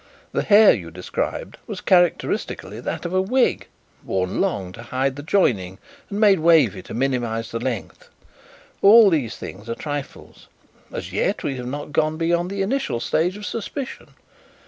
The hair you described was characteristically that of a wig worn long to hide the joining and made wavy to minimize the length. All these things are trifles. As yet we have not gone beyond the initial stage of suspicion.